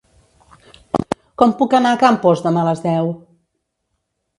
Com puc anar a Campos demà a les deu?